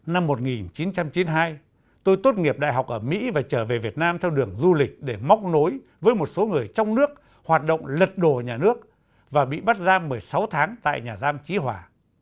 năm một nghìn chín trăm chín mươi hai tôi tốt nghiệp đại học ở mỹ và trở về việt nam theo đường du lịch để móc nối với một số người trong nước hoạt động lật đổ nhà nước và bị bắt giam một mươi sáu tháng tại nhà giam trí hòa